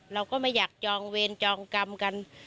เราก็ไม่อยากจองเวรจองกรรมกัน